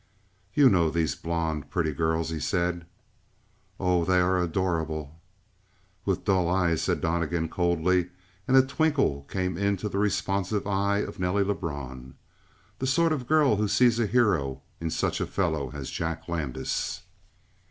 "You know these blond, pretty girls?" he said. "Oh, they are adorable!" "With dull eyes," said Donnegan coldly, and a twinkle came into the responsive eye of Nelly Lebrun. "The sort of a girl who sees a hero in such a fellow as Jack Landis."